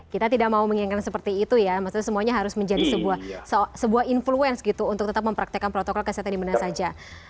kita tidak mau mengingatkan seperti itu ya maksudnya semuanya harus menjadi sebuah influence gitu untuk tetap mempraktekan protokol kesehatan dimana saja